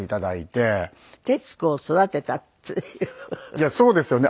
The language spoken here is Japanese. いやそうですよね。